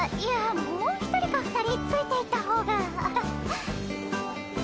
もう１人か２人ついて行ったほうがハハッ。